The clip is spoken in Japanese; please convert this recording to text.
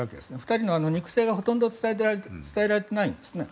２人の肉声がほとんど伝えられていないんですね。